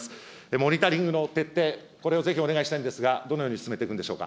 モニタリングの決定、これをぜひお願いしたいんですが、どのように進めていくんでしょうか。